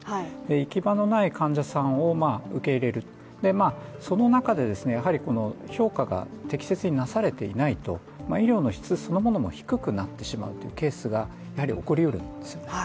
行き場のない患者さんを受け入れる、その中で評価が適切になされていないと、医療の質そのものも低くなってしまうケースがやはり起こりうるんですね。